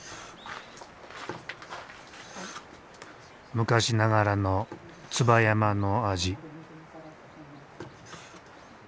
昔ながらの椿山の味。